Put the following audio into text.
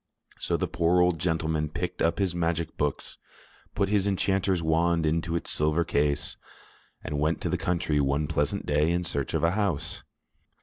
So the poor old gentleman packed up his magic books, put his enchanter's wand into its silver case, and went to the country one pleasant day in search of a house.